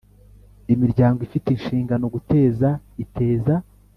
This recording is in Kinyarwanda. Imiryango ifite inshingano guteza iteza